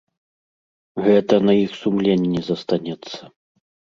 Гэта на іх сумленні застанецца.